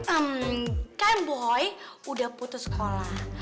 hmm kan boy udah putus sekolah